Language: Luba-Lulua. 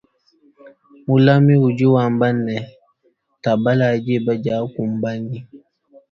Mulami udi wamba ne tabalayi diba diakumbanyi.